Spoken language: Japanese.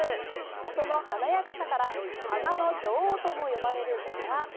その華やかさから花の女王とも呼ばれるバラ。